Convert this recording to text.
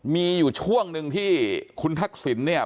มีอยู่ช่วงหนึ่งที่คุณทักษิณเนี่ย